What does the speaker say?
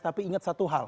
tapi ingat satu hal